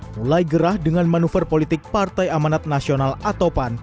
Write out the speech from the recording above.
mulai gerah dengan manuver politik partai amanat nasional atau pan